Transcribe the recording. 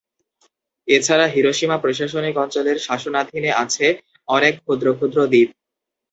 এছাড়া হিরোশিমা প্রশাসনিক অঞ্চলের শাসনাধীনে আছে অনেক ক্ষুদ্র ক্ষুদ্র দ্বীপ।